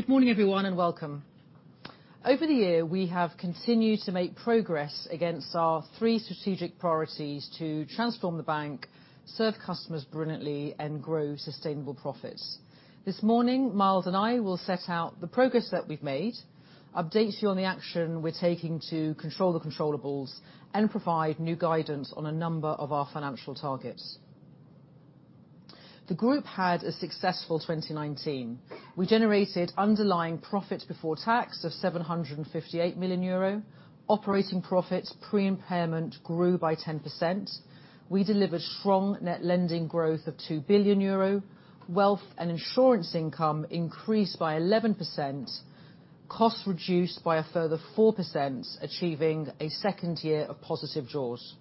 Good morning, everyone, and welcome. Over the year, we have continued to make progress against our three strategic priorities to transform the bank, serve customers brilliantly, and grow sustainable profits. This morning, Myles and I will set out the progress that we've made, update you on the action we're taking to control the controllables, and provide new guidance on a number of our financial targets. The group had a successful 2019. We generated underlying profit before tax of 758 million euro. Operating profits pre-impairment grew by 10%. We delivered strong net lending growth of 2 billion euro. Wealth and insurance income increased by 11%. Costs reduced by a further 4%, achieving a second year of positive jaws.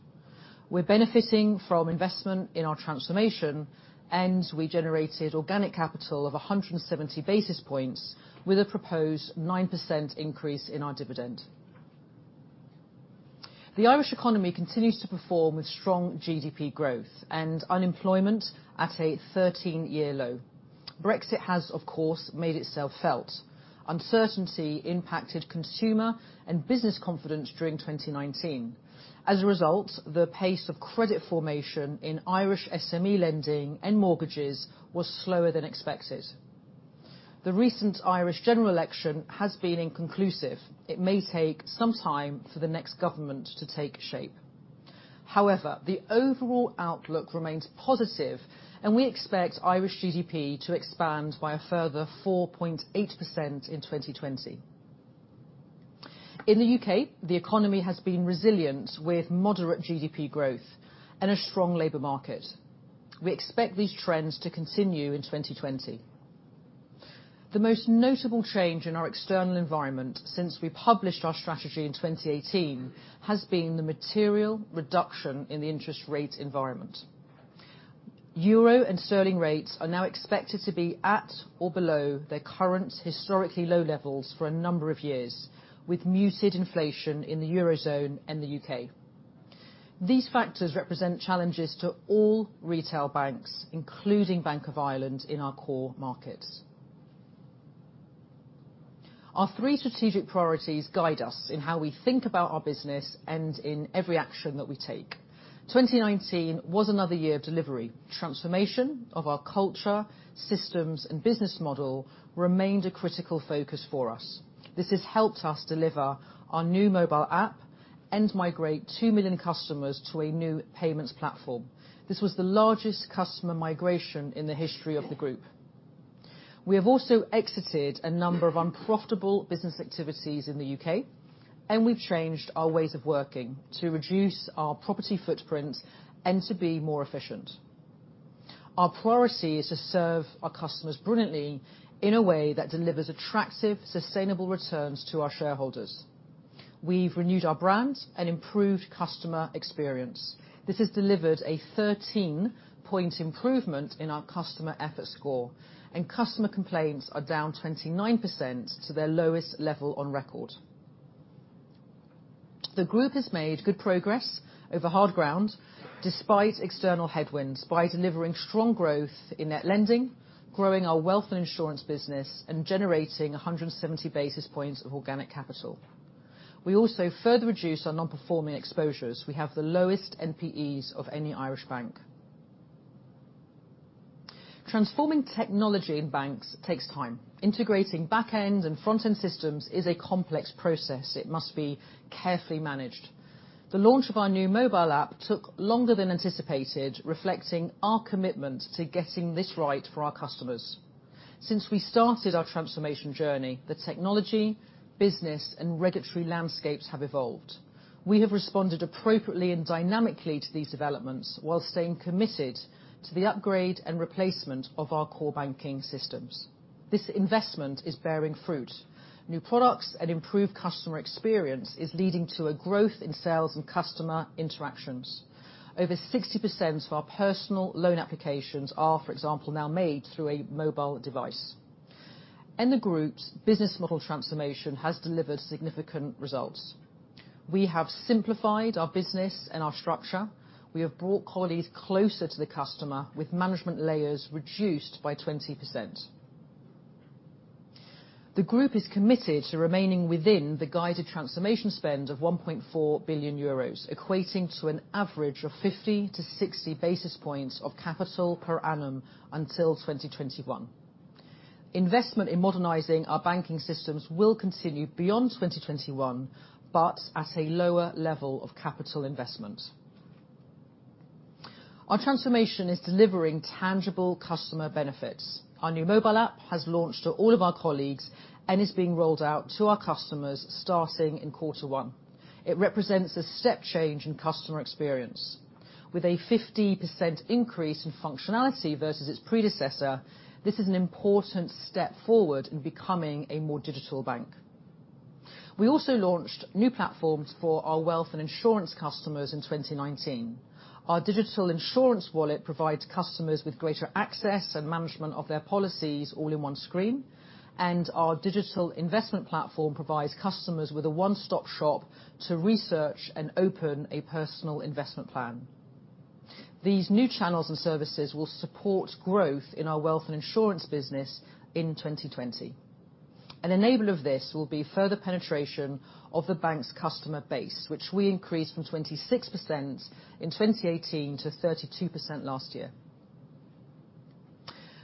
We're benefiting from investment in our transformation, and we generated organic capital of 170 basis points with a proposed 9% increase in our dividend. The Irish economy continues to perform with strong GDP growth, and unemployment at a 13-year low. Brexit has, of course, made itself felt. Uncertainty impacted consumer and business confidence during 2019. As a result, the pace of credit formation in Irish SME lending and mortgages was slower than expected. The recent Irish general election has been inconclusive. It may take some time for the next government to take shape. However, the overall outlook remains positive, and we expect Irish GDP to expand by a further 4.8% in 2020. In the U.K., the economy has been resilient, with moderate GDP growth and a strong labor market. We expect these trends to continue in 2020. The most notable change in our external environment since we published our strategy in 2018 has been the material reduction in the interest rate environment. Euro and sterling rates are now expected to be at or below their current historically low levels for a number of years, with muted inflation in the Eurozone and the U.K. These factors represent challenges to all retail banks, including Bank of Ireland, in our core markets. Our three strategic priorities guide us in how we think about our business and in every action that we take. 2019 was another year of delivery. Transformation of our culture, systems, and business model remained a critical focus for us. This has helped us deliver our new mobile app and migrate 2 million customers to a new payments platform. This was the largest customer migration in the history of the Group. We have also exited a number of unprofitable business activities in the U.K. We've changed our ways of working to reduce our property footprint and to be more efficient. Our priority is to serve our customers brilliantly in a way that delivers attractive, sustainable returns to our shareholders. We've renewed our brand and improved customer experience. This has delivered a 13-point improvement in our Customer Effort Score, and customer complaints are down 29% to their lowest level on record. The group has made good progress over hard ground, despite external headwinds, by delivering strong growth in net lending, growing our wealth and insurance business, and generating 170 basis points of organic capital. We also further reduced our non-performing exposures. We have the lowest NPEs of any Irish bank. Transforming technology in banks takes time. Integrating back end and front end systems is a complex process. It must be carefully managed. The launch of our new mobile app took longer than anticipated, reflecting our commitment to getting this right for our customers. Since we started our transformation journey, the technology, business, and regulatory landscapes have evolved. We have responded appropriately and dynamically to these developments while staying committed to the upgrade and replacement of our core banking systems. This investment is bearing fruit. New products and improved customer experience is leading to a growth in sales and customer interactions. Over 60% of our personal loan applications are, for example, now made through a mobile device. The group's business model transformation has delivered significant results. We have simplified our business and our structure. We have brought colleagues closer to the customer, with management layers reduced by 20%. The group is committed to remaining within the guided transformation spend of 1.4 billion euros, equating to an average of 50 to 60 basis points of capital per annum until 2021. Investment in modernizing our banking systems will continue beyond 2021, but at a lower level of capital investment. Our transformation is delivering tangible customer benefits. Our new mobile app has launched to all of our colleagues and is being rolled out to our customers starting in Q1. It represents a step change in customer experience. With a 50% increase in functionality versus its predecessor, this is an important step forward in becoming a more digital bank. We also launched new platforms for our wealth and insurance customers in 2019. Our digital insurance wallet provides customers with greater access and management of their policies all in one screen, and our digital investment platform provides customers with a one-stop shop to research and open a personal investment plan. These new channels and services will support growth in our wealth and insurance business in 2020. An enabler of this will be further penetration of the bank's customer base, which we increased from 26% in 2018 to 32% last year.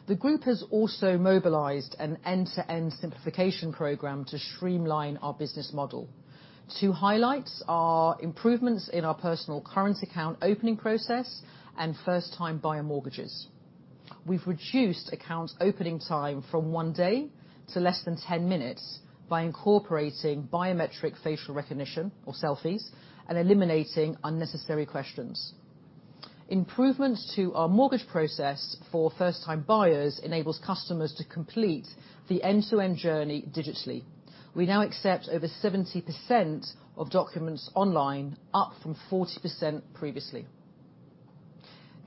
The group has also mobilized an end-to-end simplification program to streamline our business model. Two highlights are improvements in our personal current account opening process and first-time buyer mortgages. We've reduced account opening time from one day to less than 10 minutes by incorporating biometric facial recognition or selfies and eliminating unnecessary questions. Improvements to our mortgage process for first-time buyers enables customers to complete the end-to-end journey digitally. We now accept over 70% of documents online, up from 40% previously.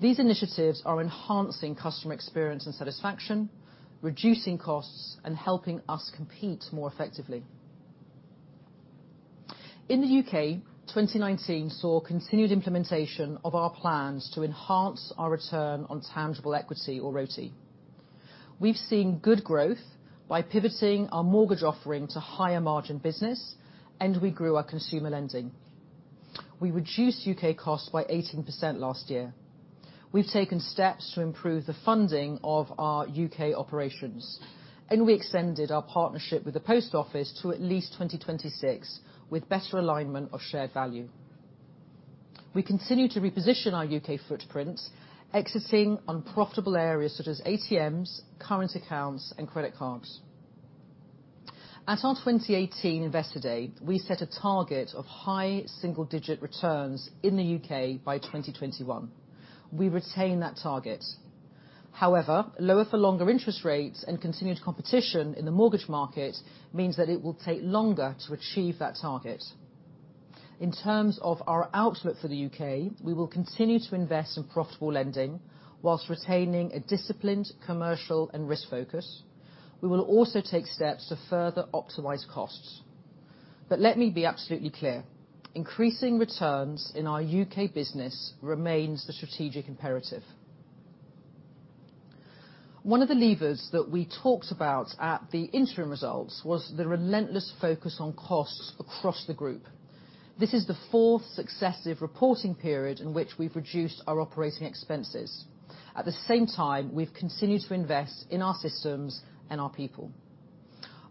These initiatives are enhancing customer experience and satisfaction, reducing costs, and helping us compete more effectively. In the U.K., 2019 saw continued implementation of our plans to enhance our return on tangible equity, or ROTE. We've seen good growth by pivoting our mortgage offering to higher margin business, and we grew our consumer lending. We reduced U.K. costs by 18% last year. We've taken steps to improve the funding of our U.K. operations, and we extended our partnership with the Post Office to at least 2026 with better alignment of shared value. We continue to reposition our U.K. footprint, exiting unprofitable areas such as ATMs, current accounts, and credit cards. At our 2018 Investor Day, we set a target of high single-digit returns in the U.K. by 2021. We retain that target. However, lower for longer interest rates and continued competition in the mortgage market means that it will take longer to achieve that target. In terms of our outlook for the U.K., we will continue to invest in profitable lending whilst retaining a disciplined commercial and risk focus. We will also take steps to further optimize costs. Let me be absolutely clear, increasing returns in our U.K. business remains the strategic imperative. One of the levers that we talked about at the interim results was the relentless focus on costs across the group. This is the fourth successive reporting period in which we've reduced our operating expenses. At the same time, we've continued to invest in our systems and our people.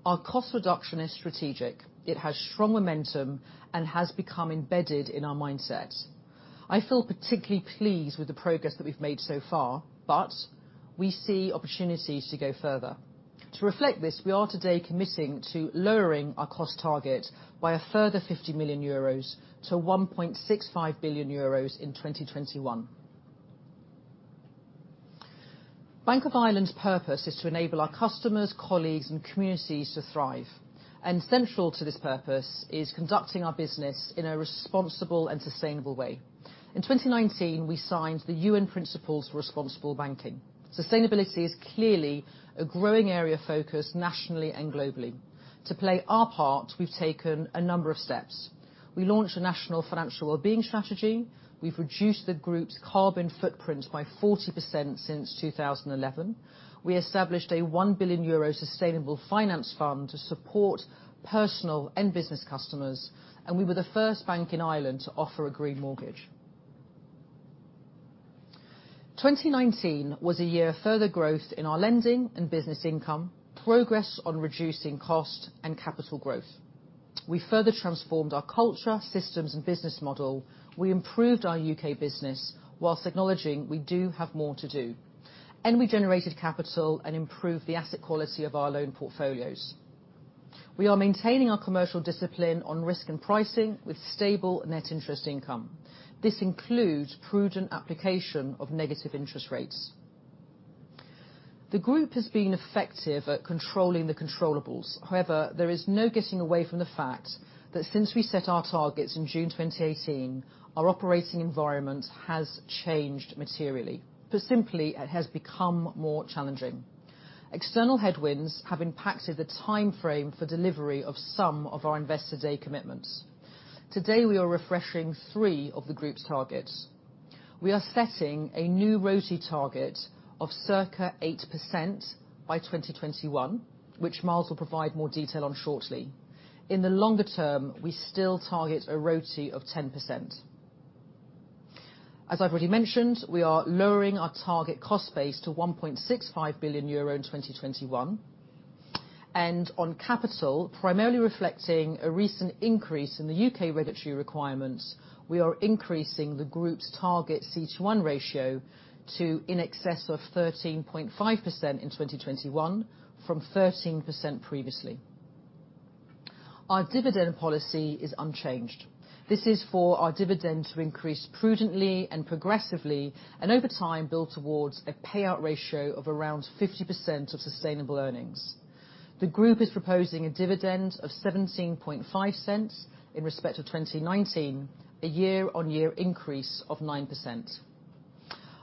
Our cost reduction is strategic. It has strong momentum and has become embedded in our mindset. I feel particularly pleased with the progress that we've made so far, but we see opportunities to go further. To reflect this, we are today committing to lowering our cost target by a further 50 million euros to 1.65 billion euros in 2021. Bank of Ireland's purpose is to enable our customers, colleagues, and communities to thrive, and central to this purpose is conducting our business in a responsible and sustainable way. In 2019, we signed the UN Principles for Responsible Banking. Sustainability is clearly a growing area of focus nationally and globally. To play our part, we've taken a number of steps. We launched a national financial wellbeing strategy. We've reduced the group's carbon footprint by 40% since 2011. We established a 1 billion euro sustainable finance fund to support personal and business customers, and we were the first bank in Ireland to offer a green mortgage. 2019 was a year of further growth in our lending and business income, progress on reducing cost and capital growth. We further transformed our culture, systems, and business model. We improved our U.K. business whilst acknowledging we do have more to do, and we generated capital and improved the asset quality of our loan portfolios. We are maintaining our commercial discipline on risk and pricing with stable net interest income. This includes prudent application of negative interest rates. The group has been effective at controlling the controllables. However, there is no getting away from the fact that since we set our targets in June 2018, our operating environment has changed materially. Put simply, it has become more challenging. External headwinds have impacted the timeframe for delivery of some of our Investor Day commitments. Today, we are refreshing three of the group's targets. We are setting a new ROTE target of circa 8% by 2021, which Myles will provide more detail on shortly. In the longer term, we still target a ROTE of 10%. As I've already mentioned, we are lowering our target cost base to 1.65 billion euro in 2021. On capital, primarily reflecting a recent increase in the U.K. regulatory requirements, we are increasing the group's target CET1 ratio to in excess of 13.5% in 2021 from 13% previously. Our dividend policy is unchanged. This is for our dividend to increase prudently and progressively, and over time, build towards a payout ratio of around 50% of sustainable earnings. The group is proposing a dividend of 0.175 in respect of 2019, a year-on-year increase of 9%.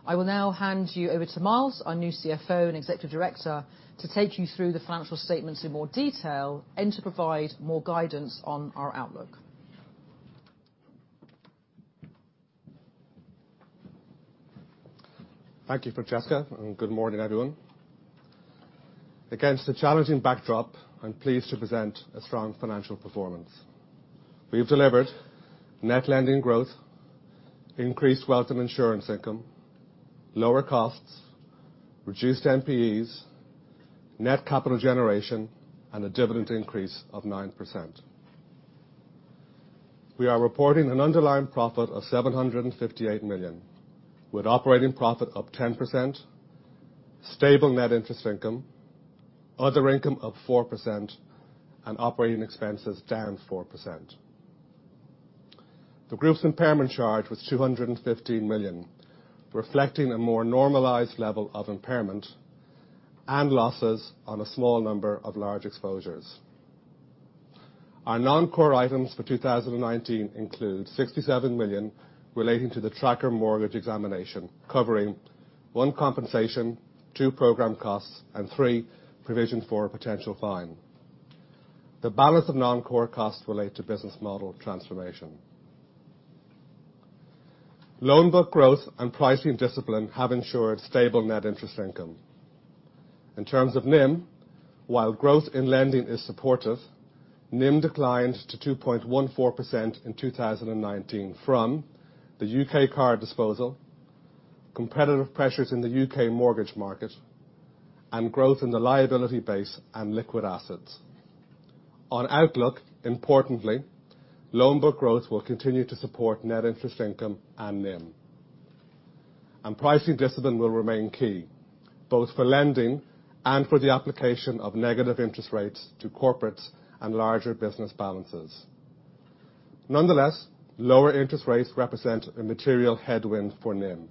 I will now hand you over to Myles, our new CFO and executive director, to take you through the financial statements in more detail and to provide more guidance on our outlook. Thank you, Francesca, and good morning, everyone. Against a challenging backdrop, I'm pleased to present a strong financial performance. We have delivered net lending growth, increased wealth and insurance income, lower costs, reduced NPEs, net capital generation, and a dividend increase of 9%. We are reporting an underlying profit of 758 million, with operating profit up 10%, stable net interest income, other income up 4%, and operating expenses down 4%. The group's impairment charge was 215 million, reflecting a more normalized level of impairment and losses on a small number of large exposures. Our non-core items for 2019 include 67 million relating to the tracker mortgage examination, covering, one, compensation, two, program costs, and three, provision for a potential fine. The balance of non-core costs relate to business model transformation. Loan book growth and pricing discipline have ensured stable net interest income. In terms of NIM, while growth in lending is supportive, NIM declined to 2.14% in 2019 from the U.K. Card disposal, competitive pressures in the U.K. mortgage market, and growth in the liability base and liquid assets. On outlook, importantly, loan book growth will continue to support net interest income and NIM. Pricing discipline will remain key both for lending and for the application of negative interest rates to corporates and larger business balances. Nonetheless, lower interest rates represent a material headwind for NIM.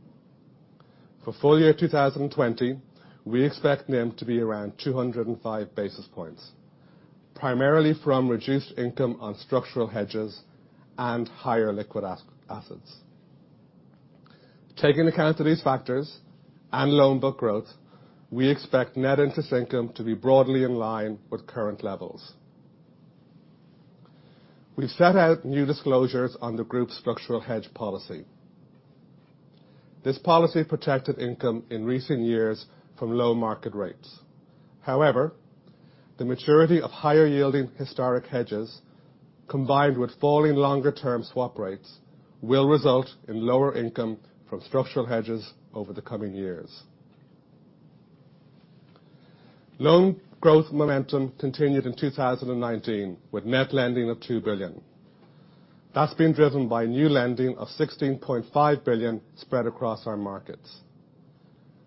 For full year 2020, we expect NIM to be around 205 basis points, primarily from reduced income on structural hedges and higher liquid assets. Taking account of these factors and loan book growth, we expect net interest income to be broadly in line with current levels. We've set out new disclosures on the group's structural hedge policy. This policy protected income in recent years from low market rates. The maturity of higher yielding historic hedges, combined with falling longer-term swap rates, will result in lower income from structural hedges over the coming years. Loan growth momentum continued in 2019 with net lending of 2 billion. That's been driven by new lending of 16.5 billion spread across our markets.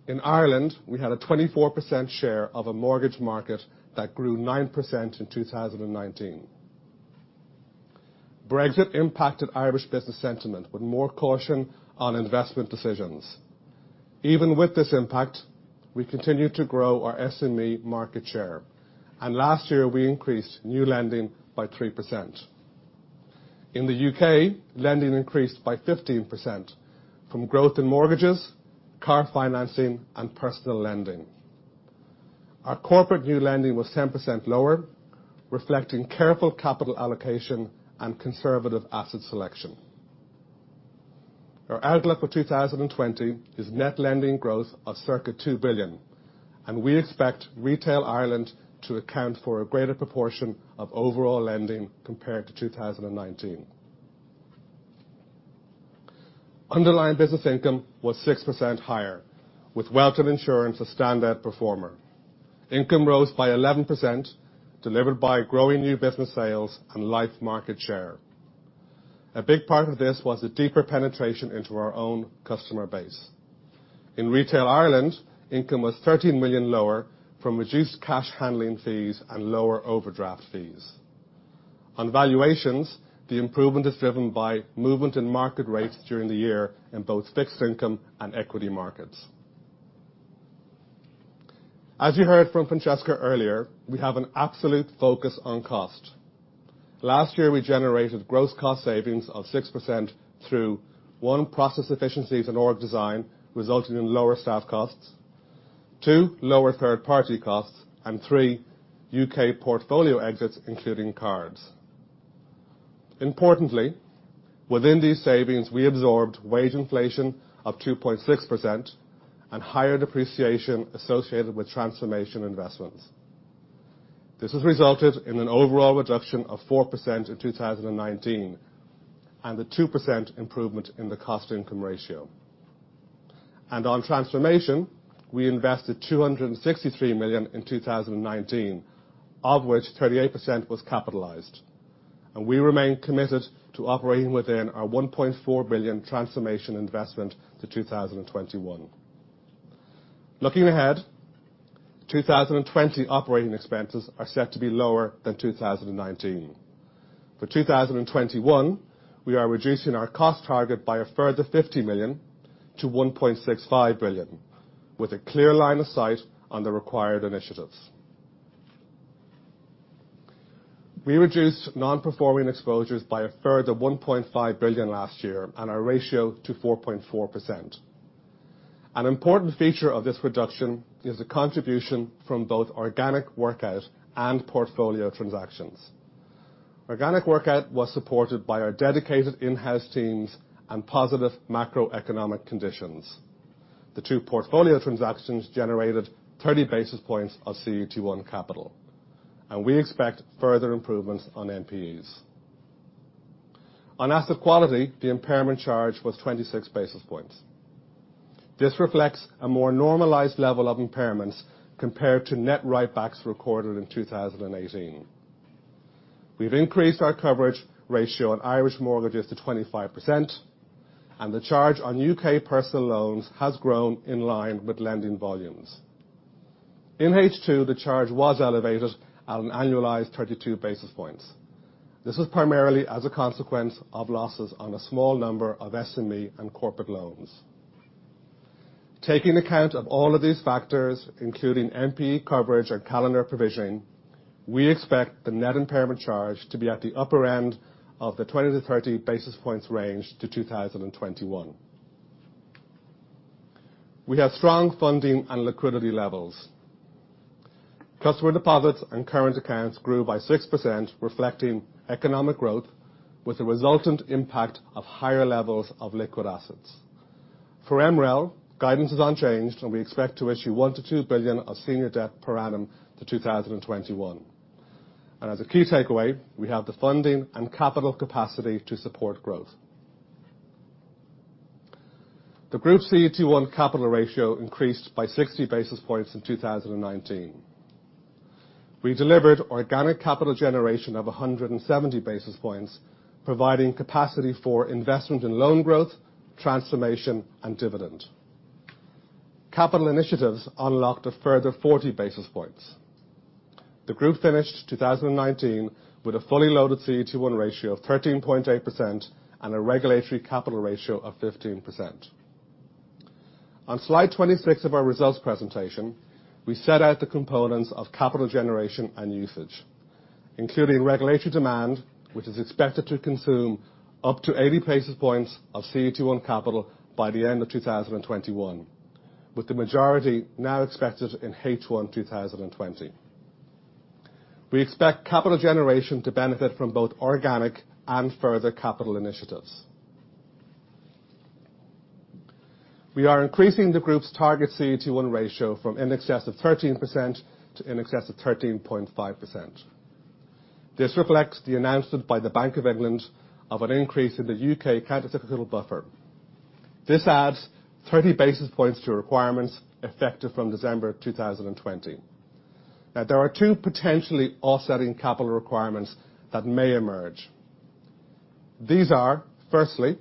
In Ireland, we had a 24% share of a mortgage market that grew 9% in 2019. Brexit impacted Irish business sentiment with more caution on investment decisions. Even with this impact, we continued to grow our SME market share, last year we increased new lending by 3%. In the U.K., lending increased by 15% from growth in mortgages, car financing, and personal lending. Our corporate new lending was 10% lower, reflecting careful capital allocation and conservative asset selection. Our outlook for 2020 is net lending growth of circa 2 billion, and we expect Retail Ireland to account for a greater proportion of overall lending compared to 2019. Underlying business income was 6% higher, with wealth and insurance a standout performer. Income rose by 11%, delivered by growing new business sales and life market share. A big part of this was the deeper penetration into our own customer base. In Retail Ireland, income was 13 million lower from reduced cash handling fees and lower overdraft fees. On valuations, the improvement is driven by movement in market rates during the year in both fixed income and equity markets. As you heard from Francesca earlier, we have an absolute focus on cost. Last year, we generated gross cost savings of 6% through, one, process efficiencies and org design resulting in lower staff costs, two, lower third-party costs, and three, U.K. portfolio exits, including cards. Importantly, within these savings, we absorbed wage inflation of 2.6% and higher depreciation associated with transformation investments. This has resulted in an overall reduction of 4% in 2019 and a 2% improvement in the cost-income ratio. On transformation, we invested 263 million in 2019, of which 38% was capitalized. We remain committed to operating within our 1.4 billion transformation investment to 2021. Looking ahead, 2020 operating expenses are set to be lower than 2019. For 2021, we are reducing our cost target by a further 50 million to 1.65 billion, with a clear line of sight on the required initiatives. We reduced non-performing exposures by a further 1.5 billion last year and our ratio to 4.4%. An important feature of this reduction is the contribution from both organic workout and portfolio transactions. Organic workout was supported by our dedicated in-house teams and positive macroeconomic conditions. The two portfolio transactions generated 30 basis points of CET1 capital, and we expect further improvements on NPEs. On asset quality, the impairment charge was 26 basis points. This reflects a more normalized level of impairments compared to net write-backs recorded in 2018. We've increased our coverage ratio on Irish mortgages to 25%, and the charge on U.K. personal loans has grown in line with lending volumes. In H2, the charge was elevated at an annualized 32 basis points. This was primarily as a consequence of losses on a small number of SME and corporate loans. Taking account of all of these factors, including NPE coverage and calendar provisioning, we expect the net impairment charge to be at the upper end of the 20-30 basis points range to 2021. We have strong funding and liquidity levels. Customer deposits and current accounts grew by 6%, reflecting economic growth with the resultant impact of higher levels of liquid assets. For MREL, guidance is unchanged, and we expect to issue 1 billion-2 billion of senior debt per annum to 2021. As a key takeaway, we have the funding and capital capacity to support growth. The group CET1 capital ratio increased by 60 basis points in 2019. We delivered organic capital generation of 170 basis points, providing capacity for investment in loan growth, transformation, and dividend. Capital initiatives unlocked a further 40 basis points. The group finished 2019 with a fully loaded CET1 ratio of 13.8% and a regulatory capital ratio of 15%. On slide 26 of our results presentation, we set out the components of capital generation and usage, including regulatory demand, which is expected to consume up to 80 basis points of CET1 capital by the end of 2021, with the majority now expected in H1 2020. We expect capital generation to benefit from both organic and further capital initiatives. We are increasing the group's target CET1 ratio from in excess of 13% to in excess of 13.5%. This reflects the announcement by the Bank of England of an increase in the U.K. countercyclical buffer. This adds 30 basis points to requirements effective from December 2020. There are two potentially offsetting capital requirements that may emerge. These are, firstly,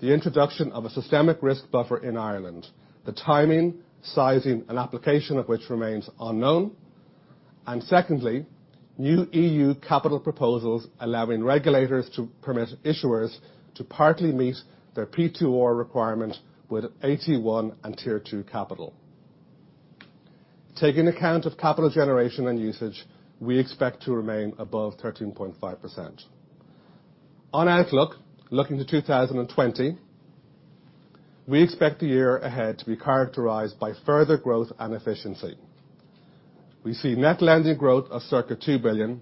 the introduction of a systemic risk buffer in Ireland, the timing, sizing, and application of which remains unknown. Secondly, new EU capital proposals allowing regulators to permit issuers to partly meet their P2R requirement with AT1 and Tier 2 capital. Taking account of capital generation and usage, we expect to remain above 13.5%. On outlook, looking to 2020, we expect the year ahead to be characterized by further growth and efficiency. We see net lending growth of circa 2 billion,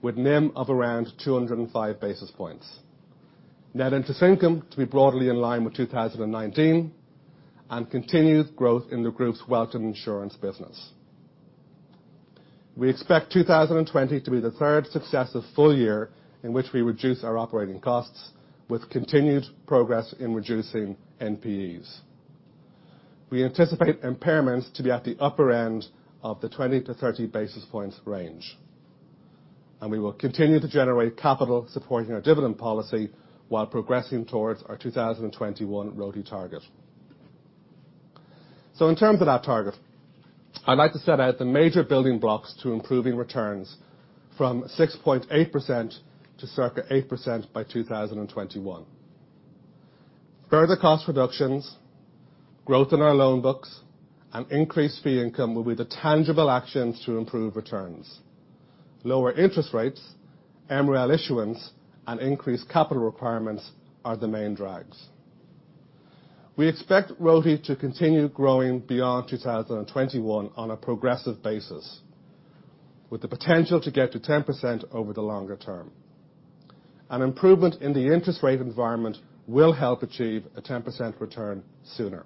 with NIM of around 205 basis points. Net interest income to be broadly in line with 2019, and continued growth in the group's wealth and insurance business. We expect 2020 to be the third successive full year in which we reduce our operating costs with continued progress in reducing NPEs. We anticipate impairments to be at the upper end of the 20-30 basis points range, and we will continue to generate capital supporting our dividend policy while progressing towards our 2021 ROTE target. In terms of that target, I'd like to set out the major building blocks to improving returns from 6.8% to circa 8% by 2021. Further cost reductions, growth in our loan books, and increased fee income will be the tangible actions to improve returns. Lower interest rates, MREL issuance, and increased capital requirements are the main drags. We expect ROTE to continue growing beyond 2021 on a progressive basis, with the potential to get to 10% over the longer term. An improvement in the interest rate environment will help achieve a 10% return sooner.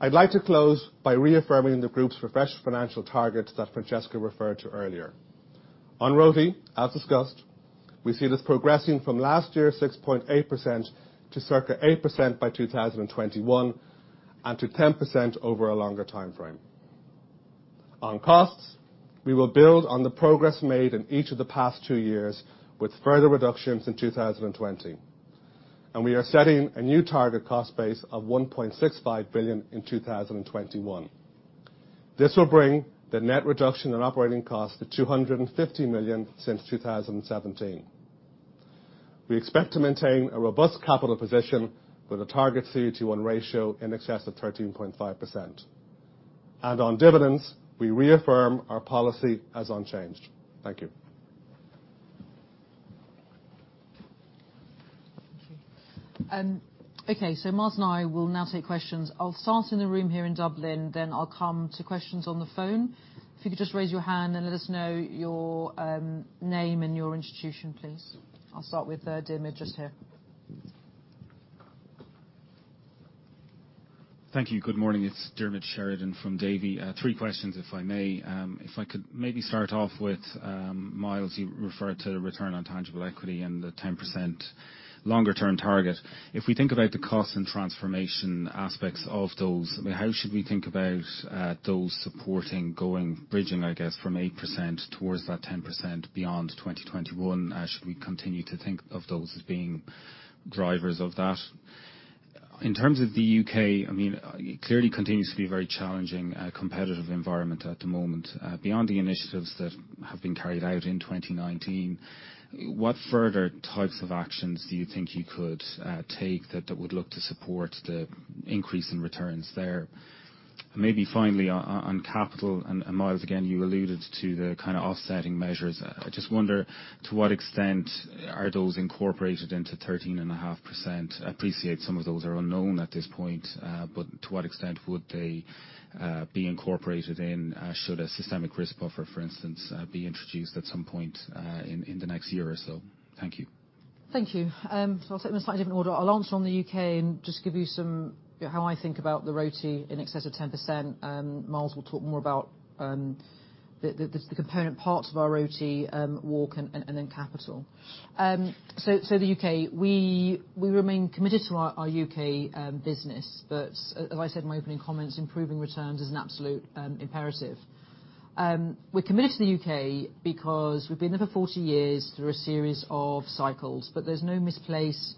I'd like to close by reaffirming the group's refreshed financial targets that Francesca referred to earlier. On ROTE, as discussed, we see this progressing from last year 6.8% to circa 8% by 2021, and to 10% over a longer timeframe. On costs, we will build on the progress made in each of the past two years with further reductions in 2020. We are setting a new target cost base of 1.65 billion in 2021. This will bring the net reduction in operating costs to 250 million since 2017. We expect to maintain a robust capital position with a target CET1 ratio in excess of 13.5%. On dividends, we reaffirm our policy as unchanged. Thank you. Thank you. Okay, Myles and I will now take questions. I'll start in the room here in Dublin, then I'll come to questions on the phone. If you could just raise your hand and let us know your name and your institution, please. I'll start with Diarmaid just here. Thank you. Good morning. It's Diarmaid Sheridan from Davy. Three questions, if I may. If I could maybe start off with, Myles, you referred to return on tangible equity and the 10% longer term target. If we think about the cost and transformation aspects of those, how should we think about those supporting, bridging, I guess, from 8% towards that 10% beyond 2021? Should we continue to think of those as being drivers of that? In terms of the U.K., it clearly continues to be a very challenging competitive environment at the moment. Beyond the initiatives that have been carried out in 2019, what further types of actions do you think you could take that would look to support the increase in returns there? Maybe finally, on capital, and Myles, again, you alluded to the kind of offsetting measures. I just wonder to what extent are those incorporated into 13.5%? I appreciate some of those are unknown at this point, to what extent would they be incorporated in should a systemic risk buffer, for instance, be introduced at some point in the next year or so? Thank you. Thank you. I'll take them in a slightly different order. I'll answer on the U.K. and just give you how I think about the ROTE in excess of 10%, and Myles will talk more about the component parts of our ROTE, WACC, and then capital. The U.K., we remain committed to our U.K. business, but as I said in my opening comments, improving returns is an absolute imperative. We're committed to the U.K. because we've been there for 40 years through a series of cycles, but there's no misplaced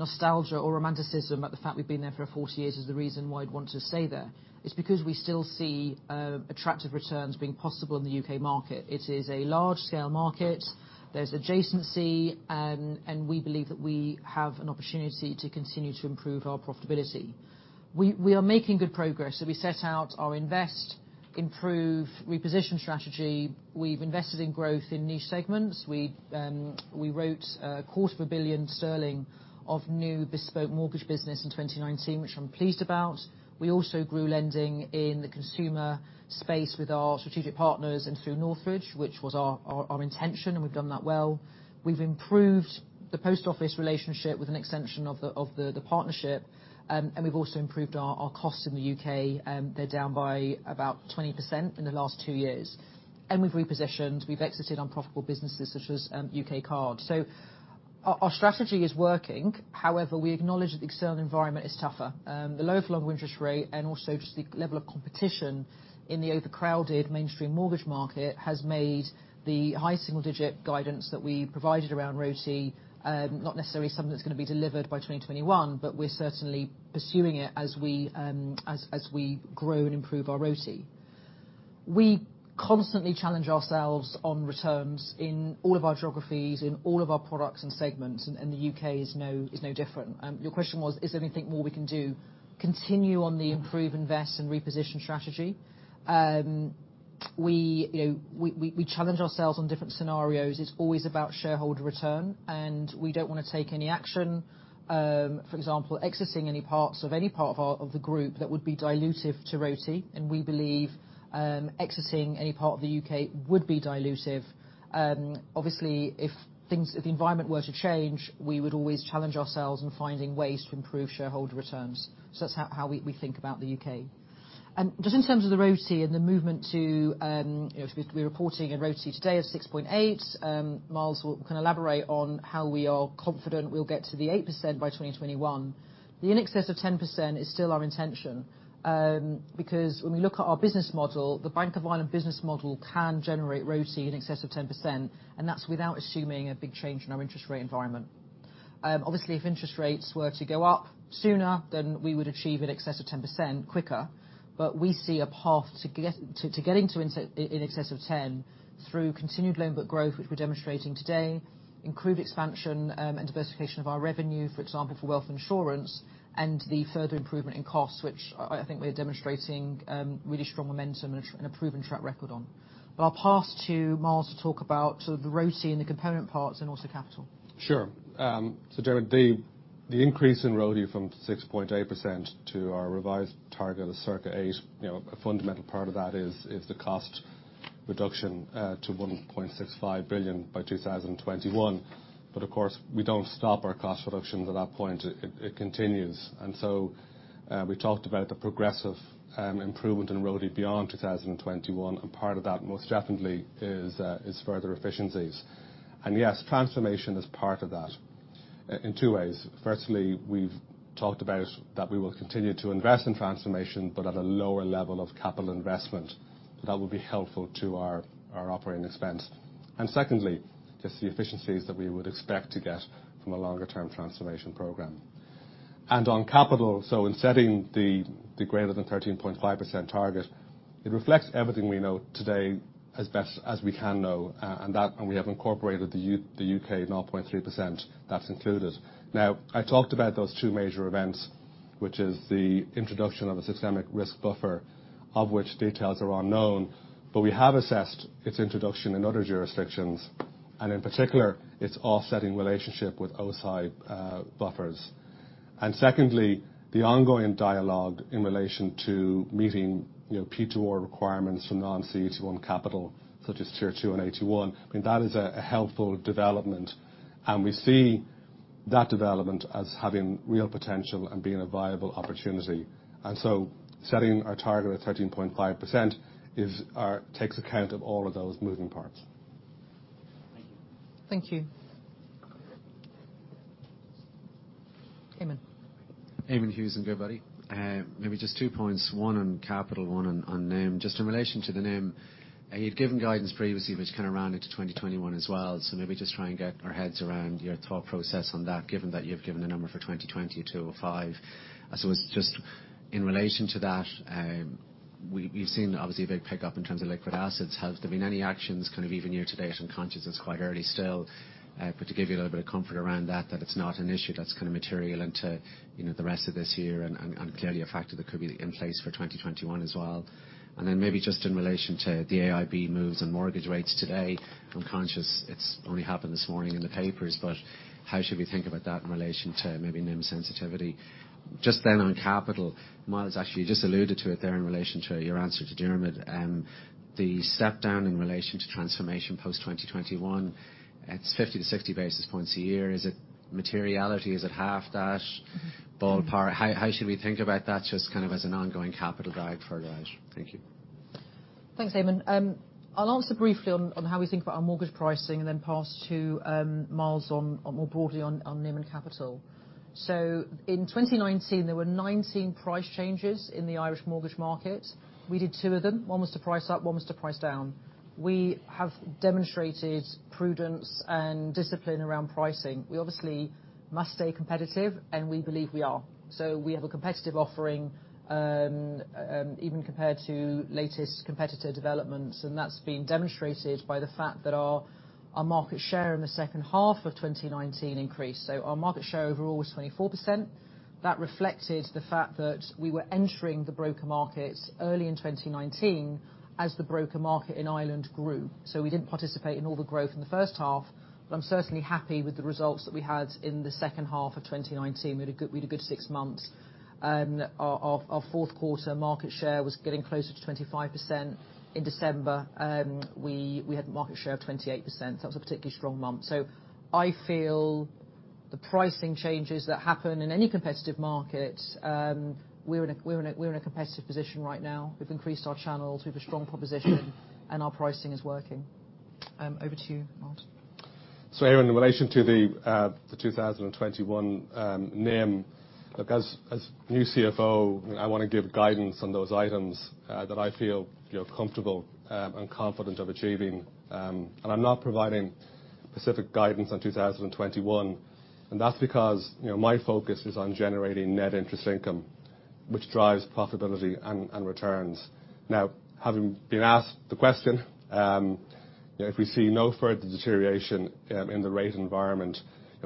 nostalgia or romanticism about the fact we've been there for 40 years as the reason why we'd want to stay there. It's because we still see attractive returns being possible in the U.K. market. It is a large scale market. There's adjacency, and we believe that we have an opportunity to continue to improve our profitability. We are making good progress. We set out our invest, improve, reposition strategy. We've invested in growth in niche segments. We wrote a quarter of a billion sterling of new bespoke mortgage business in 2019, which I'm pleased about. We also grew lending in the consumer space with our strategic partners and through Northridge, which was our intention, and we've done that well. We've improved the Post Office relationship with an extension of the partnership, and we've also improved our costs in the U.K. They're down by about 20% in the last two years. We've repositioned. We've exited unprofitable businesses such as UK Card. Our strategy is working. However, we acknowledge that the external environment is tougher. The low for longer interest rate and also just the level of competition in the overcrowded mainstream mortgage market has made the high single-digit guidance that we provided around ROTE not necessarily something that's going to be delivered by 2021, but we're certainly pursuing it as we grow and improve our ROTE. We constantly challenge ourselves on returns in all of our geographies, in all of our products and segments, and the U.K. is no different. Your question was, is there anything more we can do? Continue on the improve, invest, and reposition strategy. We challenge ourselves on different scenarios. It's always about shareholder return, and we don't want to take any action, for example, exiting any parts of any part of the group that would be dilutive to ROTE, and we believe exiting any part of the U.K. would be dilutive. Obviously, if the environment were to change, we would always challenge ourselves in finding ways to improve shareholder returns. That's how we think about the U.K. just in terms of the ROTE. We're reporting a ROTE today of 6.8%. Myles can elaborate on how we are confident we'll get to the 8% by 2021. The in excess of 10% is still our intention, because when we look at our business model, the Bank of Ireland business model can generate ROTE in excess of 10%, and that's without assuming a big change in our interest rate environment. Obviously, if interest rates were to go up sooner, we would achieve in excess of 10% quicker. We see a path to getting to in excess of 10 through continued loan book growth, which we're demonstrating today, improved expansion, and diversification of our revenue, for example, for wealth insurance, and the further improvement in costs, which I think we're demonstrating really strong momentum and a proven track record on. I'll pass to Myles to talk about sort of the ROTE and the component parts and also capital. Sure. Diarmaid, the increase in ROTE from 6.8% to our revised target of circa 8, a fundamental part of that is the cost reduction to 1.65 billion by 2021. Of course, we don't stop our cost reductions at that point. It continues. We talked about the progressive improvement in ROTE beyond 2021, and part of that most definitely is further efficiencies. Yes, transformation is part of that in two ways. Firstly, we've talked about that we will continue to invest in transformation, but at a lower level of capital investment. That will be helpful to our operating expense. Secondly, just the efficiencies that we would expect to get from a longer term transformation program. On capital, in setting the greater than 13.5% target, it reflects everything we know today as best as we can know. We have incorporated the U.K. 0.3%, that's included. Now, I talked about those two major events, which is the introduction of a systemic risk buffer, of which details are unknown. We have assessed its introduction in other jurisdictions, and in particular, its offsetting relationship with O-SII buffers. Secondly, the ongoing dialogue in relation to meeting P2R requirements from non-CET1 capital, such as Tier 2 and AT1. That is a helpful development, and we see that development as having real potential and being a viable opportunity. So, setting our target at 13.5% takes account of all of those moving parts. Thank you. Eamonn. Eamonn Hughes in Goodbody. Just two points, one on capital, one on NIM. Just in relation to the NIM, you'd given guidance previously, which kind of rounded to 2021 as well. Maybe just try and get our heads around your thought process on that, given that you've given a number for 2020 at 2.5. It's just in relation to that, we've seen obviously a big pickup in terms of liquid assets. Has there been any actions kind of even year to date? I'm conscious it's quite early still. To give you a little bit of comfort around that it's not an issue that's kind of material into the rest of this year and clearly a factor that could be in place for 2021 as well. Maybe just in relation to the AIB moves and mortgage rates today. I'm conscious it's only happened this morning in the papers, how should we think about that in relation to maybe NIM sensitivity? Just on capital. Myles actually just alluded to it there in relation to your answer to Diarmaid. The step down in relation to transformation post 2021. It's 50 to 60 basis points a year. Is it materiality? Is it half that? Ballpark? How should we think about that just kind of as an ongoing capital guide for us? Thank you. Thanks, Eamonn. I'll answer briefly on how we think about our mortgage pricing and then pass to Myles more broadly on NIM and capital. In 2019, there were 19 price changes in the Irish mortgage market. We did two of them. One was to price up, one was to price down. We have demonstrated prudence and discipline around pricing. We obviously must stay competitive, and we believe we are. We have a competitive offering, even compared to latest competitor developments, and that's been demonstrated by the fact that our market share in the second half of 2019 increased. Our market share overall was 24%. That reflected the fact that we were entering the broker markets early in 2019 as the broker market in Ireland grew. We didn't participate in all the growth in the first half, but I'm certainly happy with the results that we had in the second half of 2019. We had a good six months. Our Q4 market share was getting closer to 25%. In December, we had a market share of 28%. That was a particularly strong month. I feel the pricing changes that happen in any competitive market, we're in a competitive position right now. We've increased our channels, we have a strong proposition, and our pricing is working. Over to you, Myles. Eamonn, in relation to the 2021 NIM, look, as new CFO, I want to give guidance on those items that I feel comfortable and confident of achieving. I'm not providing specific guidance on 2021, and that's because my focus is on generating net interest income, which drives profitability and returns. Now, having been asked the question, if we see no further deterioration in the rate environment,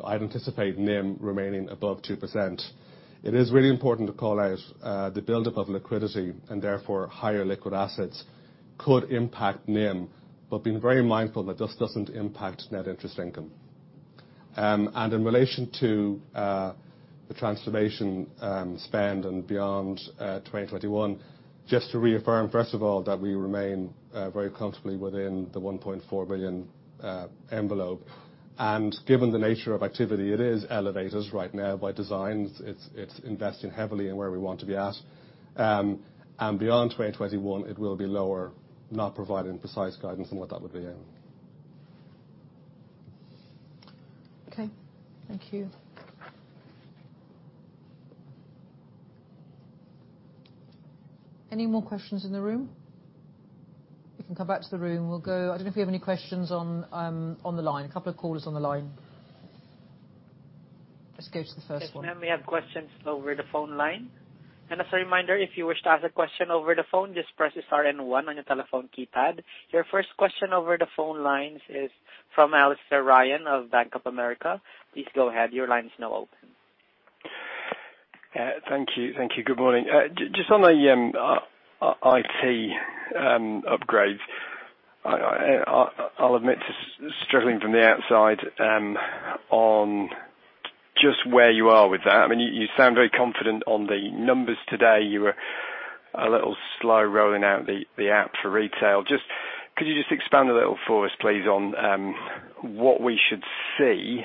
I'd anticipate NIM remaining above 2%. It is really important to call out the buildup of liquidity and therefore higher liquid assets could impact NIM, but being very mindful that this doesn't impact net interest income. In relation to the transformation spend and beyond 2021, just to reaffirm, first of all, that we remain very comfortably within the 1.4 billion envelope. Given the nature of activity, it is elevated right now by design. It's investing heavily in where we want to be at. Beyond 2021, it will be lower, not providing precise guidance on what that would be. Okay. Thank you. Any more questions in the room? You can come back to the room. I don't know if we have any questions on the line. A couple of callers on the line. Let's go to the first one. Yes, ma'am. We have questions over the phone line. As a reminder, if you wish to ask a question over the phone, just press the *1 on your telephone keypad. Your first question over the phone lines is from Alastair Ryan of Bank of America. Please go ahead. Your line is now open. Thank you. Good morning. Just on the IT upgrade. I'll admit to struggling from the outside on just where you are with that. You sound very confident on the numbers today. You were a little slow rolling out the app for retail. Could you just expand a little for us, please, on what we should see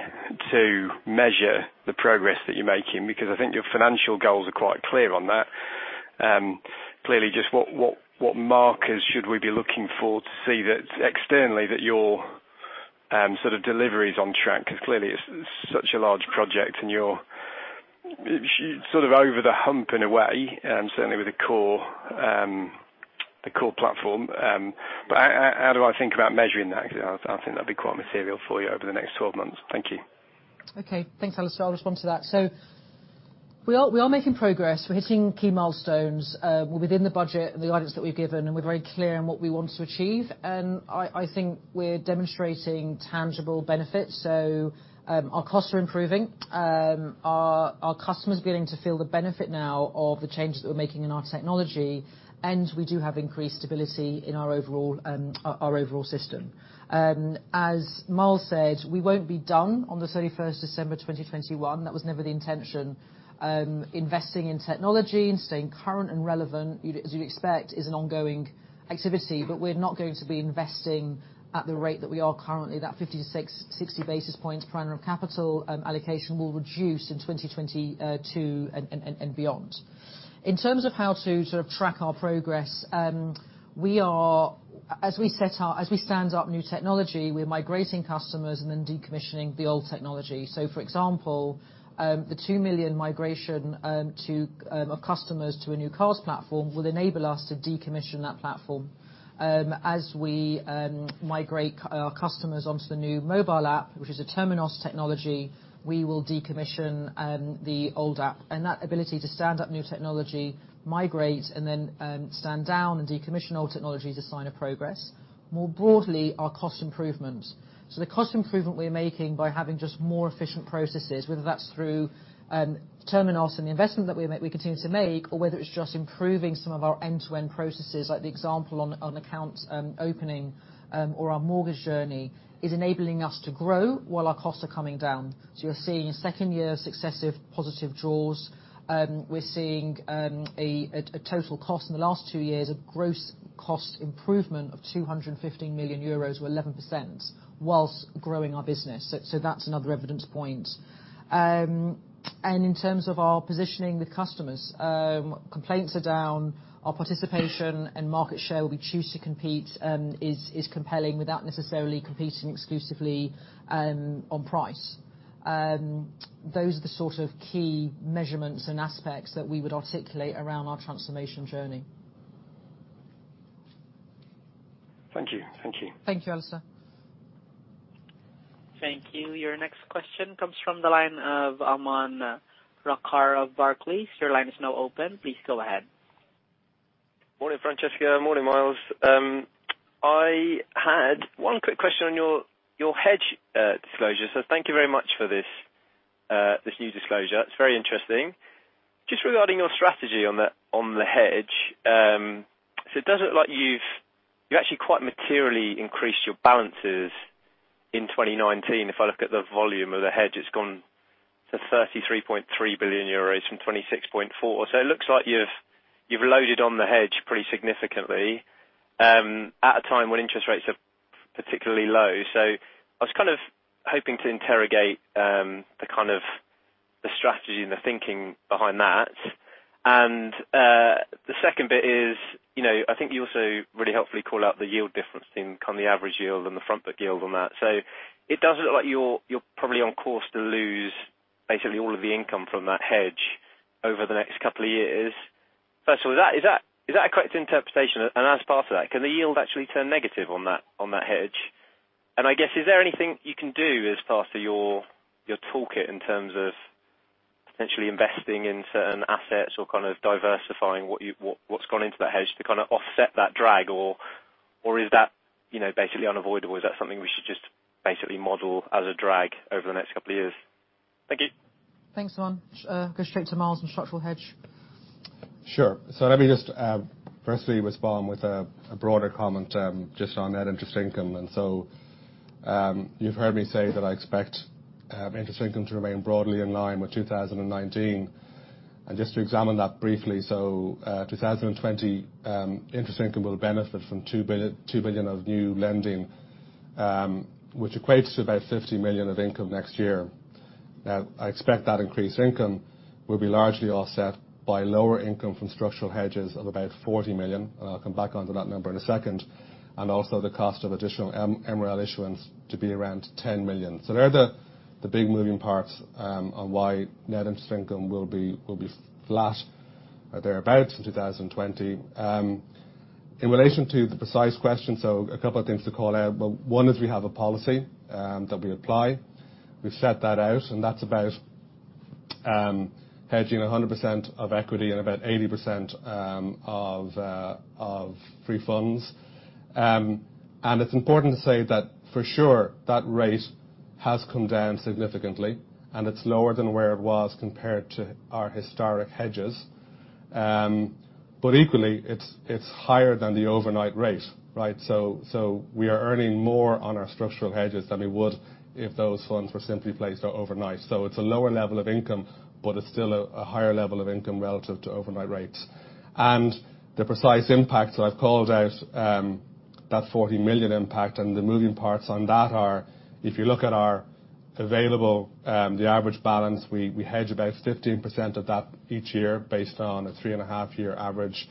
to measure the progress that you're making? I think your financial goals are quite clear on that. Clearly, just what markers should we be looking for to see that externally that your sort of delivery is on track? Clearly it's such a large project and you're sort of over the hump in a way, certainly with the core platform. How do I think about measuring that? I think that'd be quite material for you over the next 12 months. Thank you. Okay. Thanks, Alastair. I will respond to that. We are making progress. We're hitting key milestones. We're within the budget and the guidance that we've given, and we're very clear on what we want to achieve. I think we're demonstrating tangible benefits. Our costs are improving. Our customers are beginning to feel the benefit now of the changes that we're making in our technology, and we do have increased stability in our overall system. As Myles said, we won't be done on December 31st 2021. That was never the intention. Investing in technology and staying current and relevant, as you'd expect, is an ongoing activity. We're not going to be investing at the rate that we are currently. That 50-60 basis points per annum of capital allocation will reduce in 2022 and beyond. In terms of how to track our progress, as we stand up new technology, we are migrating customers and then decommissioning the old technology. For example, the 2 million migration of customers to a new core platform will enable us to decommission that platform. As we migrate our customers onto the new mobile app, which is a Temenos technology, we will decommission the old app. That ability to stand up new technology, migrate, and then stand down and decommission old technology is a sign of progress. More broadly, our cost improvements. The cost improvement we're making by having just more efficient processes, whether that's through Temenos and the investment that we continue to make, or whether it's just improving some of our end-to-end processes, like the example on accounts opening or our mortgage journey, is enabling us to grow while our costs are coming down. You're seeing second year successive positive jaws. We're seeing a total cost in the last two years of gross cost improvement of 215 million euros, or 11%, whilst growing our business. That's another evidence point. In terms of our positioning with customers, complaints are down. Our participation and market share where we choose to compete is compelling without necessarily competing exclusively on price. Those are the sort of key measurements and aspects that we would articulate around our transformation journey. Thank you. Thank you, Alastair. Thank you. Your next question comes from the line of Aman Rakkar of Barclays. Your line is now open. Please go ahead. Morning, Francesca. Morning, Myles. I had one quick question on your hedge disclosure. Thank you very much for this new disclosure. It's very interesting. Just regarding your strategy on the hedge. It does look like you actually quite materially increased your balances in 2019. If I look at the volume of the hedge, it's gone to 33.3 billion euros from 26.4 billion. It looks like you've loaded on the hedge pretty significantly at a time when interest rates are particularly low. I was kind of hoping to interrogate the kind of strategy and the thinking behind that. The second bit is, I think you also really helpfully call out the yield difference between kind of the average yield and the front foot yield on that. It does look like you're probably on course to lose basically all of the income from that hedge over the next couple of years. First of all, is that a correct interpretation? As part of that, can the yield actually turn negative on that hedge? I guess, is there anything you can do as far as your toolkit in terms of potentially investing in certain assets or kind of diversifying what's gone into that hedge to kind of offset that drag? Is that basically unavoidable? Is that something we should just basically model as a drag over the next couple of years? Thank you. Thanks, Aman. Go straight to Myles on structural hedge. Sure. Let me just firstly respond with a broader comment just on net interest income. You've heard me say that I expect interest income to remain broadly in line with 2019. Just to examine that briefly, 2020 interest income will benefit from 2 billion of new lending, which equates to about 50 million of income next year. I expect that increased income will be largely offset by lower income from structural hedges of about 40 million, and I'll come back onto that number in a second, and also the cost of additional MREL issuance to be around 10 million. They are the big moving parts on why net interest income will be flat or thereabout in 2020. In relation to the precise question, a couple of things to call out. One is we have a policy that we apply. We've set that out, and that's about hedging 100% of equity and about 80% of free funds. It's important to say that for sure that rate has come down significantly, and it's lower than where it was compared to our historic hedges. Equally, it's higher than the overnight rate, right? We are earning more on our structural hedges than we would if those funds were simply placed overnight. It's a lower level of income, but it's still a higher level of income relative to overnight rates. The precise impact, so I've called out that 40 million impact and the moving parts on that are, if you look at our available, the average balance, we hedge about 15% of that each year based on a three and a half year average.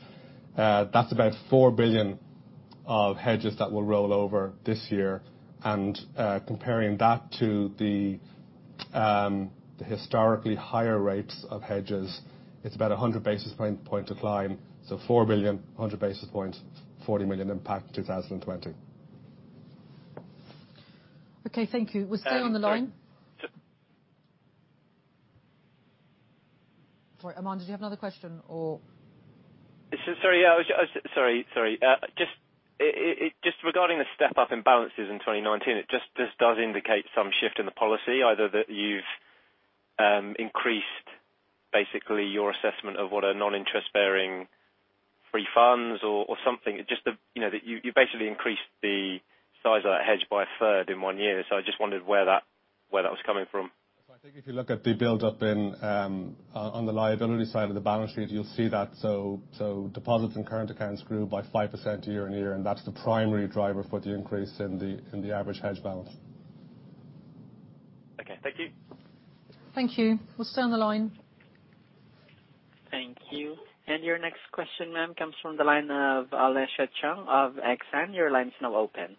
That's about 4 billion of hedges that will roll over this year. Comparing that to the historically higher rates of hedges, it's about 100 basis point decline. 4 billion, 100 basis points, 40 million impact 2020. Okay, thank you. We'll stay on the line. Sorry, Aman, did you have another question, or? Sorry. Just regarding the step up in balances in 2019, it just does indicate some shift in the policy, either that you've increased basically your assessment of what are non-interest bearing free funds or something. You basically increased the size of that hedge by a third in one year. I just wondered where that was coming from. I think if you look at the buildup on the liability side of the balance sheet, you'll see that. Deposits and current accounts grew by 5% year-on-year, and that's the primary driver for the increase in the average hedge balance. Okay, thank you. Thank you. We'll stay on the line. Thank you. Your next question, ma'am, comes from the line of Alicia Chung of Exane. Your line's now open.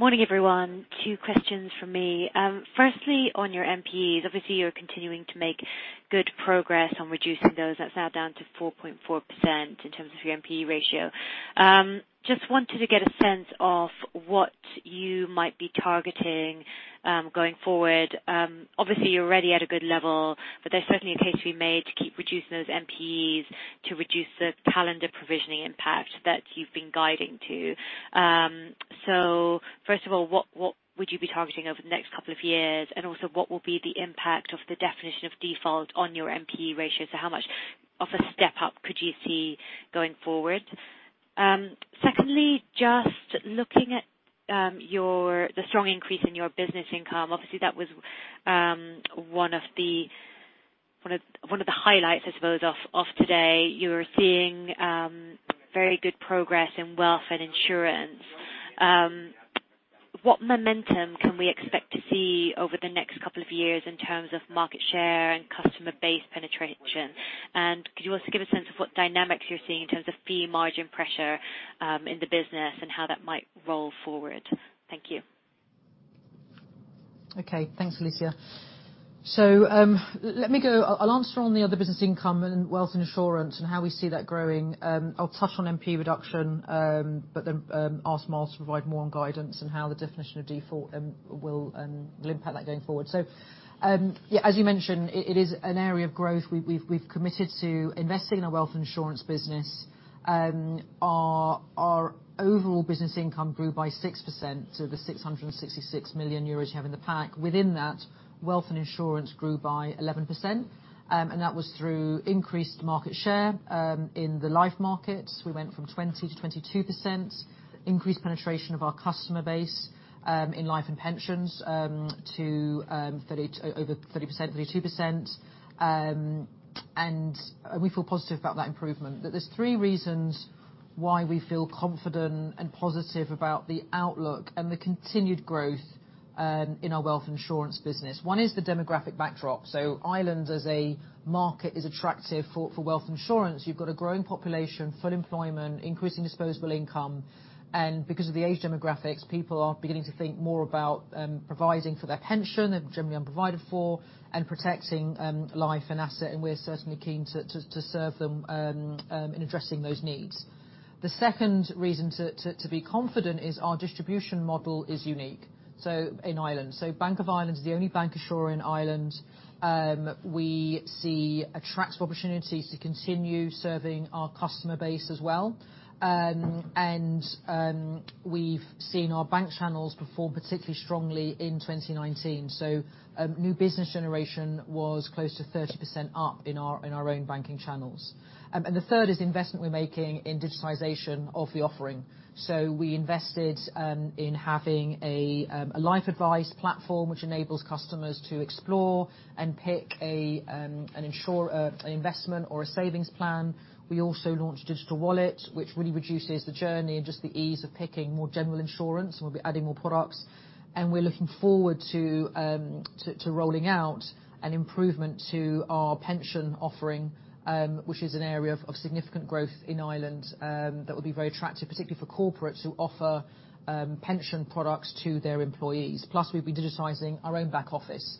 Morning, everyone. Two questions from me. Firstly, on your NPEs. Obviously, you're continuing to make good progress on reducing those. That's now down to 4.4% in terms of your NPE ratio. Just wanted to get a sense of what you might be targeting going forward. Obviously, you're already at a good level, but there's certainly a case to be made to keep reducing those NPEs to reduce the calendar provisioning impact that you've been guiding to. First of all, what would you be targeting over the next couple of years? Also, what will be the impact of the definition of default on your NPE ratio? How much of a step up could you see going forward? Secondly, just looking at the strong increase in your business income. Obviously, that was one of the highlights, I suppose, of today. You're seeing very good progress in wealth and insurance. What momentum can we expect to see over the next couple of years in terms of market share and customer base penetration? Could you also give a sense of what dynamics you're seeing in terms of fee margin pressure in the business, and how that might roll forward? Thank you. Okay. Thanks, Alicia. Let me go. I'll answer on the other business income and wealth and insurance and how we see that growing. I'll touch on NPE reduction, but then ask Myles to provide more on guidance and how the definition of default will impact that going forward. As you mentioned, it is an area of growth. We've committed to investing in our wealth and insurance business. Our overall business income grew by 6% to the 666 million euros you have in the pack. Within that, wealth and insurance grew by 11%, and that was through increased market share. In the life markets, we went from 20%-22%, increased penetration of our customer base in life and pensions to over 30%, 32%. We feel positive about that improvement. There's three reasons why we feel confident and positive about the outlook and the continued growth in our wealth insurance business. One is the demographic backdrop. Ireland as a market is attractive for wealth insurance. You've got a growing population, full employment, increasing disposable income. Because of the age demographics, people are beginning to think more about providing for their pension, they're generally unprovided for, and protecting life and asset. We're certainly keen to serve them in addressing those needs. The second reason to be confident is our distribution model is unique in Ireland. Bank of Ireland is the only bank assurer in Ireland. We see attractive opportunities to continue serving our customer base as well. We've seen our bank channels perform particularly strongly in 2019. New business generation was close to 30% up in our own banking channels. The third is investment we're making in digitization of the offering. We invested in having a life advice platform which enables customers to explore and pick an investment or a savings plan. We also launched digital wallet, which really reduces the journey and just the ease of picking more general insurance, and we'll be adding more products. We're looking forward to rolling out an improvement to our pension offering, which is an area of significant growth in Ireland that will be very attractive, particularly for corporates who offer pension products to their employees. Plus, we'll be digitizing our own back office.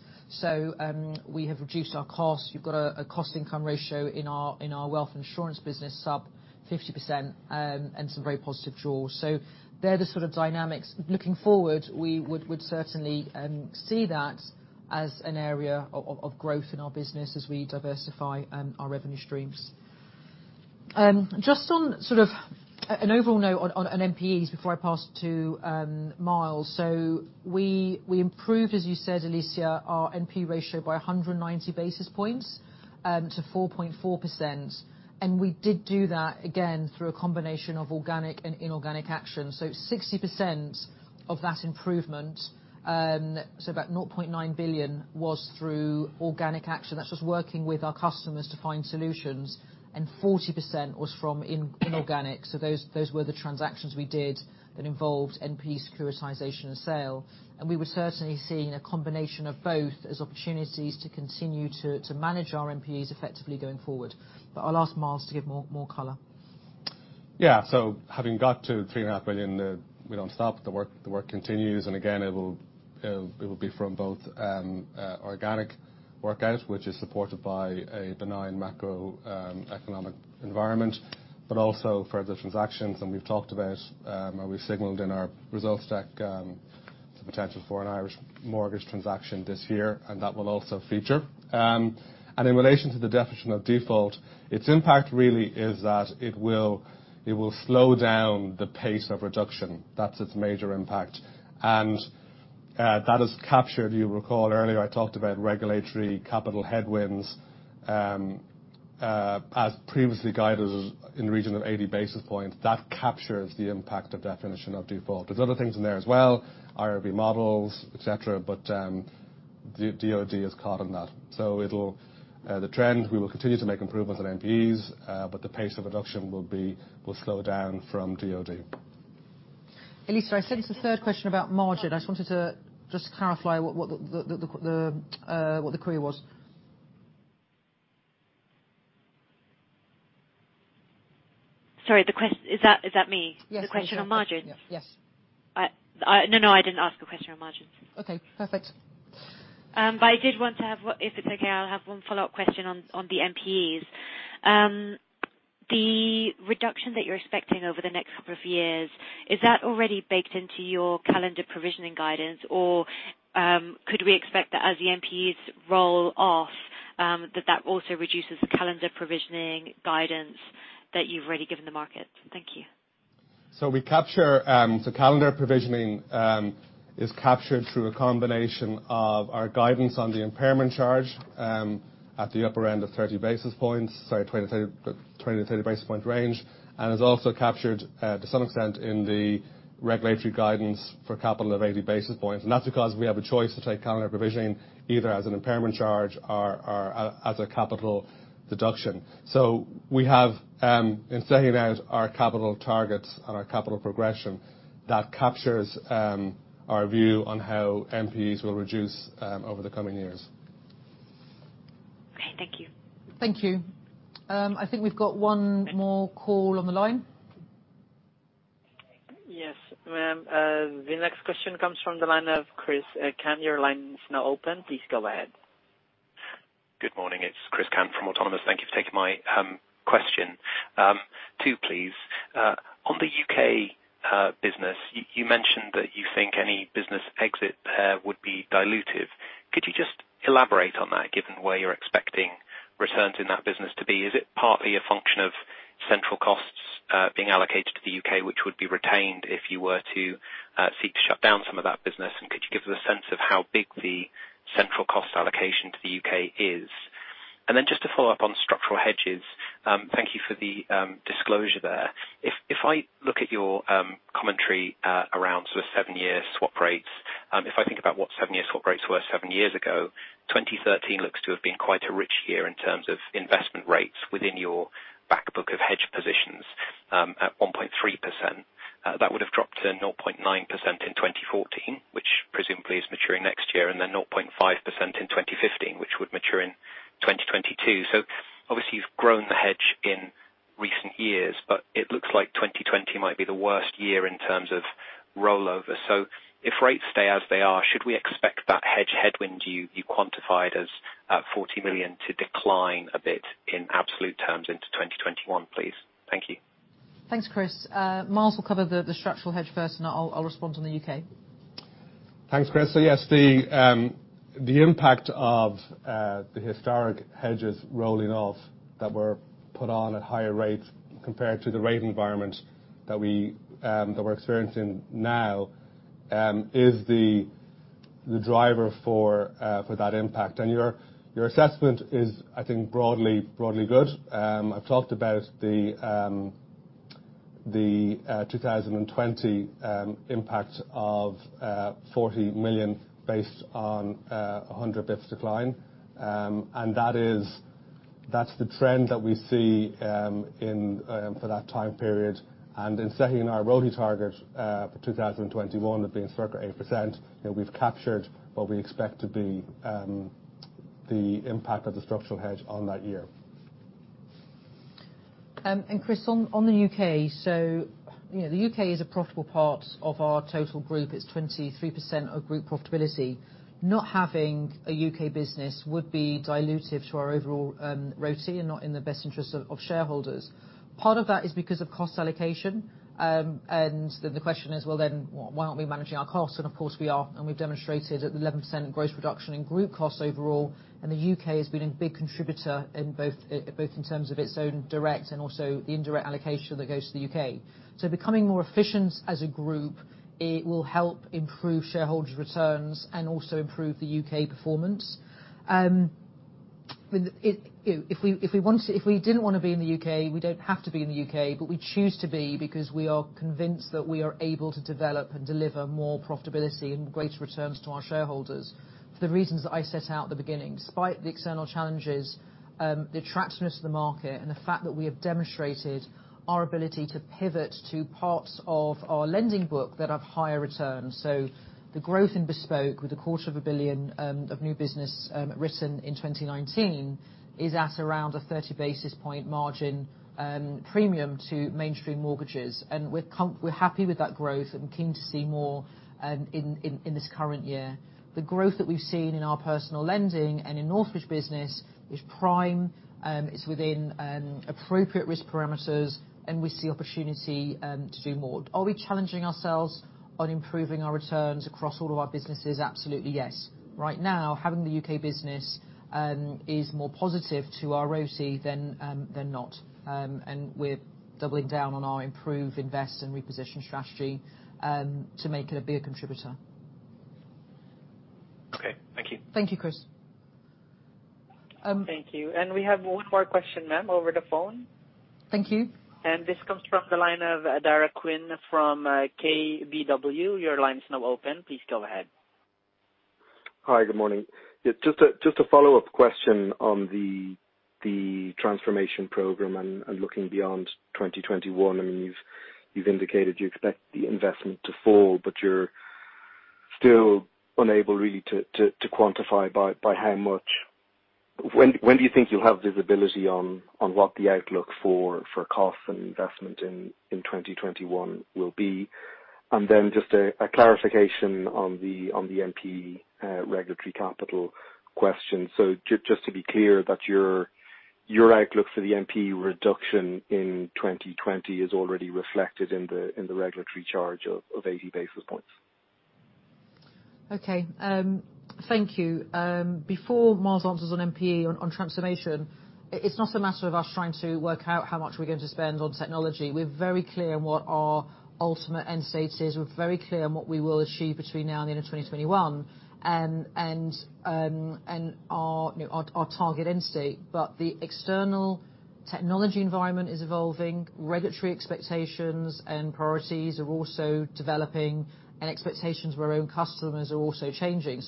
We have reduced our costs. You've got a cost-income ratio in our wealth insurance business sub 50% and some very positive jaws. They're the sort of dynamics. Looking forward, we would certainly see that as an area of growth in our business as we diversify our revenue streams. Just on sort of an overall note on NPEs before I pass to Myles. We improved, as you said, Alicia, our NPE ratio by 190 basis points to 4.4%. We did do that again through a combination of organic and inorganic action. 60% of that improvement, about 0.9 billion, was through organic action. That's just working with our customers to find solutions. 40% was from inorganic. Those were the transactions we did that involved NPE securitization and sale. We would certainly see a combination of both as opportunities to continue to manage our NPEs effectively going forward. I'll ask Myles to give more color. Yeah. Having got to 3.5 billion, we don't stop. The work continues, and again, it will be from both organic work out, which is supported by a benign macroeconomic environment, but also further transactions. We've talked about, or we signaled in our results deck, the potential for an Irish mortgage transaction this year, and that will also feature. In relation to the definition of default, its impact really is that it will slow down the pace of reduction. That's its major impact, and that is captured. You recall earlier I talked about regulatory capital headwinds as previously guided in the region of 80 basis points. That captures the impact of definition of default. There's other things in there as well, IRB models, et cetera, but DoD is caught in that. The trend, we will continue to make improvements on NPEs, but the pace of reduction will slow down from DoD. Alicia, I think it's the third question about margin. I just wanted to clarify what the query was. Sorry. Is that me? Yes. The question on margins? Yes. No, I didn't ask a question on margins. Okay, perfect. I did want to have, if it's okay, I'll have one follow-up question on the NPEs. The reduction that you're expecting over the next couple of years, is that already baked into your calendar provisioning guidance, or could we expect that as the NPEs roll off, that that also reduces the calendar provisioning guidance that you've already given the market? Thank you. Calendar provisioning is captured through a combination of our guidance on the impairment charge at the upper end of 30 basis points, sorry, 20-30 basis point range, and is also captured to some extent in the regulatory guidance for capital of 80 basis points. That's because we have a choice to take calendar provisioning either as an impairment charge or as a capital deduction. We have, in setting out our capital targets and our capital progression, that captures our view on how NPEs will reduce over the coming years. Okay. Thank you. Thank you. I think we've got one more call on the line. Yes, ma'am. The next question comes from the line of Chris. Your line is now open. Please go ahead. Good morning. It's Chris Cant from Autonomous. Thank you for taking my question. Two, please. On the U.K. business, you mentioned that you think any business exit there would be dilutive. Could you just elaborate on that, given where you're expecting returns in that business to be? Is it partly a function of central costs being allocated to the U.K., which would be retained if you were to seek to shut down some of that business? Could you give us a sense of how big the central cost allocation to the U.K. is? Then just to follow up on structural hedges. Thank you for the disclosure there. If I look at your commentary around sort of seven-year swap rates, if I think about what seven-year swap rates were seven years ago, 2013 looks to have been quite a rich year in terms of investment rates within your back book of hedge positions at 1.3%. That would have dropped to 0.9% in 2014, which presumably is maturing next year, and then 0.5% in 2015, which would mature in 2022. Obviously you've grown the hedge in recent years, but it looks like 2020 might be the worst year in terms of rollover. If rates stay as they are, should we expect that hedge headwind you quantified as 40 million to decline a bit in absolute terms into 2021, please? Thank you. Thanks, Chris. Myles will cover the structural hedge first, and I'll respond on the U.K. Thanks, Chris. Yes, the impact of the historic hedges rolling off that were put on at higher rates compared to the rate environment that we're experiencing now is the driver for that impact. Your assessment is, I think, broadly good. I've talked about the 2020 impact of 40 million based on 100 basis points decline. That's the trend that we see for that time period. In setting our ROTE target for 2021 at being 8%, we've captured what we expect to be the impact of the structural hedge on that year. Chris, on the U.K. The U.K. is a profitable part of our total group. It's 23% of group profitability. Not having a U.K. business would be dilutive to our overall ROTE and not in the best interest of shareholders. Part of that is because of cost allocation. The question is, well, then why aren't we managing our costs? Of course we are, and we've demonstrated at 11% gross reduction in group costs overall, and the U.K. has been a big contributor both in terms of its own direct and also the indirect allocation that goes to the U.K. Becoming more efficient as a group, it will help improve shareholder returns and also improve the U.K. performance. If we didn't want to be in the U.K., we don't have to be in the U.K., but we choose to be because we are convinced that we are able to develop and deliver more profitability and greater returns to our shareholders for the reasons that I set out at the beginning. Despite the external challenges, the attractiveness to the market and the fact that we have demonstrated our ability to pivot to parts of our lending book that have higher returns. The growth in bespoke with 0.25 billion of new business written in 2019 is at around a 30 basis point margin premium to mainstream mortgages. We're happy with that growth and keen to see more in this current year. The growth that we've seen in our personal lending and in Northridge business is prime, is within appropriate risk parameters, and we see opportunity to do more. Are we challenging ourselves on improving our returns across all of our businesses? Absolutely, yes. Right now, having the U.K. business is more positive to our ROTE than not. We're doubling down on our improve, invest, and reposition strategy to make it be a contributor. Okay. Thank you. Thank you, Chris. Thank you. We have one more question, ma'am, over the phone. Thank you. This comes from the line of Daragh Quinn from KBW. Your line is now open. Please go ahead. Hi. Good morning. Just a follow-up question on the transformation program and looking beyond 2021. You've indicated you expect the investment to fall, but you're still unable really to quantify by how much. When do you think you'll have visibility on what the outlook for costs and investment in 2021 will be? Just a clarification on the NPE regulatory capital question. Just to be clear that your outlook for the NPE reduction in 2020 is already reflected in the regulatory charge of 80 basis points. Okay. Thank you. Before Myles answers on NPE on transformation, it's not a matter of us trying to work out how much we're going to spend on technology. We're very clear on what our ultimate end state is. We're very clear on what we will achieve between now and the end of 2021, and our target end state. The external technology environment is evolving, regulatory expectations and priorities are also developing, and expectations of our own customers are also changing.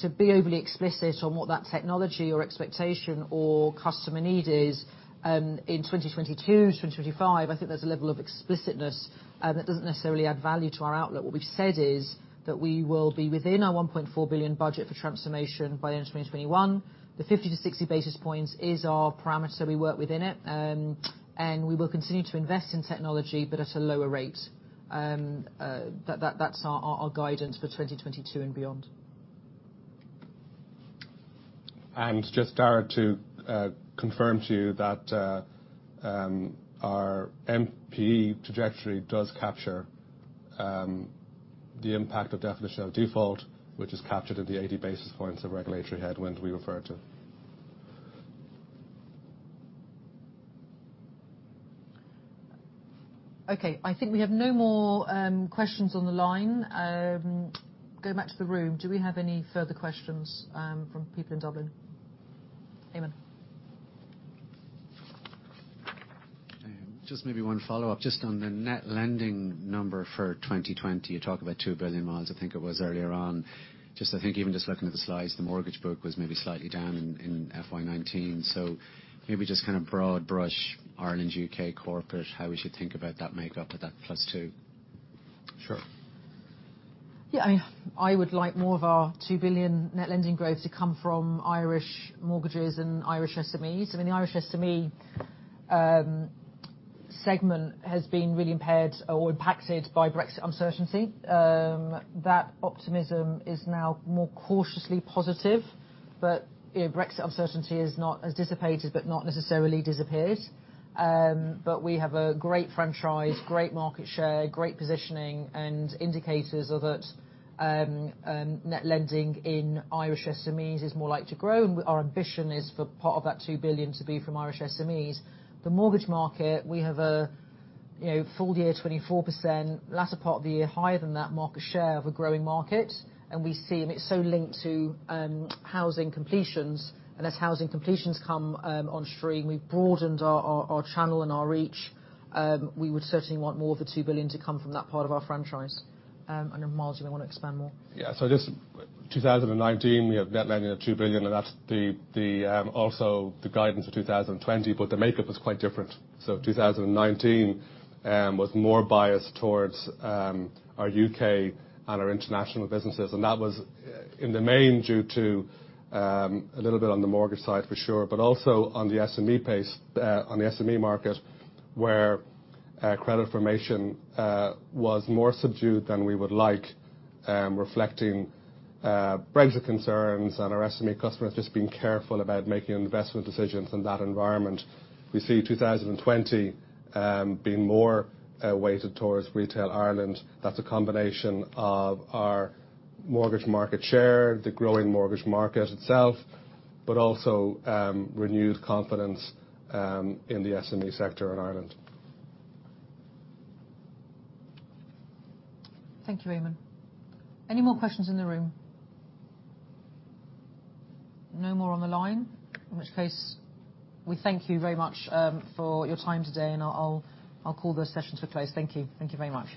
To be overly explicit on what that technology or expectation or customer need is in 2022, 2025, I think there's a level of explicitness that doesn't necessarily add value to our outlook. What we've said is that we will be within our 1.4 billion budget for transformation by the end of 2021. The 50-60 basis points is our parameter, we work within it. We will continue to invest in technology, but at a lower rate. That's our guidance for 2022 and beyond. Just, Daragh, to confirm to you that our NPE trajectory does capture the impact of definition of default, which is captured in the 80 basis points of regulatory headwind we referred to. Okay. I think we have no more questions on the line. Going back to the room, do we have any further questions from people in Dublin? Eamonn. Just maybe one follow-up, just on the net lending number for 2020. You talk about 2 billion, Myles, I think it was earlier on. Just I think even just looking at the slides, the mortgage book was maybe slightly down in FY 2019. Maybe just kind of broad brush Ireland, U.K. corporate, how we should think about that makeup of that +2 billion. Sure. Yeah, I would like more of our 2 billion net lending growth to come from Irish mortgages and Irish SMEs. The Irish SME segment has been really impaired or impacted by Brexit uncertainty. That optimism is now more cautiously positive. Brexit uncertainty has dissipated but not necessarily disappeared. We have a great franchise, great market share, great positioning, and indicators are that net lending in Irish SMEs is more likely to grow, and our ambition is for part of that 2 billion to be from Irish SMEs. The mortgage market, we have a full year 24%, latter part of the year higher than that market share of a growing market. It's so linked to housing completions. As housing completions come on stream, we've broadened our channel and our reach. We would certainly want more of the 2 billion to come from that part of our franchise. Myles, you may want to expand more. Yeah. Just 2019, we have net lending of 2 billion, and that's also the guidance for 2020. The makeup was quite different. 2019 was more biased towards our U.K. and our international businesses. That was in the main due to a little bit on the mortgage side for sure, but also on the SME market where credit formation was more subdued than we would like, reflecting Brexit concerns and our SME customers just being careful about making investment decisions in that environment. We see 2020 being more weighted towards Retail Ireland. That's a combination of our mortgage market share, the growing mortgage market itself, but also renewed confidence in the SME sector in Ireland. Thank you, Eamonn. Any more questions in the room? No more on the line. In which case, we thank you very much for your time today, and I'll call the session to a close. Thank you. Thank you very much.